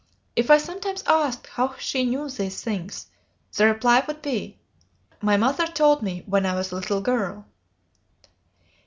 If I sometimes asked how she knew these things, the reply would be, 'My mother told me when I was a little girl.'